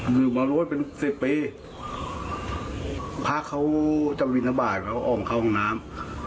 หยุดมาโรยเป็นสิบปีพระเขาจับวิทยาบาลเขาก็ออกมาเข้าห้องน้ำ